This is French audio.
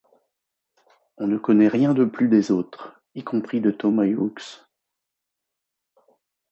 On ne connaît rien de plus des autres, y compris de Thomas Hughes.